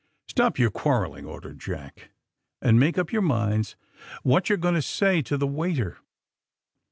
^^Stop your quarreling," ordered. Jack, ^*and make up your minds what you're going to say to the waiter."